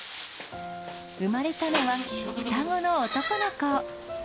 生まれたのは、双子の男の子。